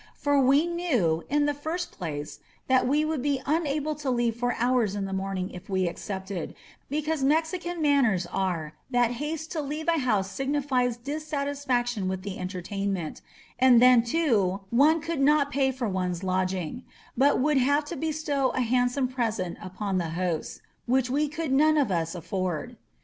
For we knew, in the first place, that we would be unable to leave for hours in the morning if we accepted, because Mexican manners are that haste to leave a house signifies dissatisfac tion with the entertainment; and then, too, one could not pay for one's lodging, but would have to bestow a handsome present upon the hosts — ^which we could none of us afford.